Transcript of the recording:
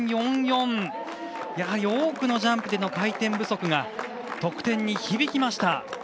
やはり多くのジャンプでの回転不足が得点に響きました。